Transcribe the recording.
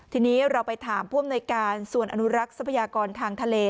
ทีนี้เราไปถามผู้อำนวยการส่วนอนุรักษ์ทรัพยากรทางทะเล